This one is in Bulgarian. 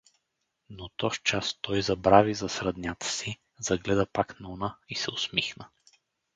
Но тозчас той забрави за сръднята си, загледа пак Нона и се усмихна.